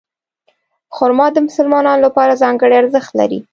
خرما د مسلمانانو لپاره ځانګړی ارزښت لري.